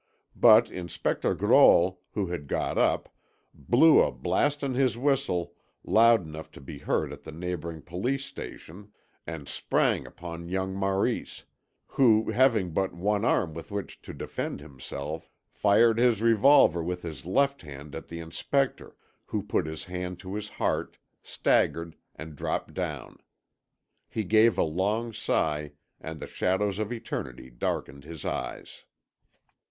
But Inspector Grolle, who had got up, blew a blast on his whistle loud enough to be heard at the neighbouring police station, and sprang upon young Maurice, who, having but one arm with which to defend himself, fired his revolver with his left hand at the inspector, who put his hand to his heart, staggered, and dropped down. He gave a long sigh, and the shadows of eternity darkened his eyes.